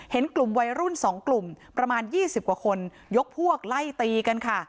เห็นกลุ่มวัยรุ่น๒กลุ่มประมาณ๒๐กว่าคนยกพวกไล่ตีกันค่ะ